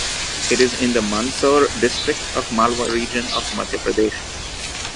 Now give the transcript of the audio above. It is in the Mandsaur district of Malwa region of Madhya Pradesh.